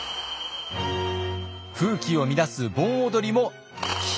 風紀を乱す盆踊りも禁止。